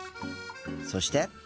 そして。